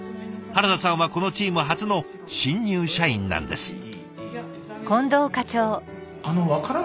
原田さんはこのチーム初の新入社員なんです。